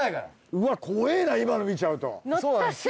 うわっ怖ぇな今の見ちゃうと。